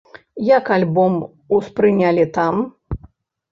Як альбом успрынялі там?